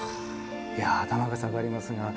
頭が下がりますが。